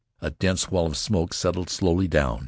A dense wall of smoke settled slowly down.